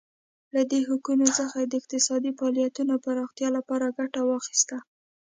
له دې حقونو څخه یې د اقتصادي فعالیتونو پراختیا لپاره ګټه واخیسته.